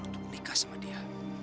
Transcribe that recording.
untuk menikah sama dia